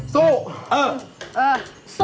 สู้เออเออสู้